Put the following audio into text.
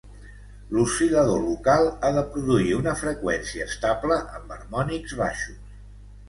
L'oscil·lador local ha de produir una freqüència estable amb harmònics baixos.